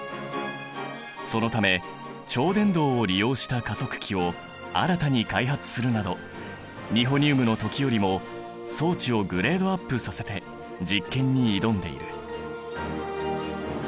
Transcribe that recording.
そのため超伝導を利用した加速器を新たに開発するなどニホニウムの時よりも装置をグレードアップさせて実験に挑んでいる。